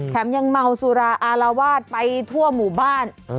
ยังเมาสุราอารวาสไปทั่วหมู่บ้าน